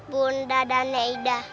bunda dan neda